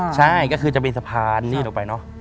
ใช่ก็คือจะเป็นสะพานนี่ลงไป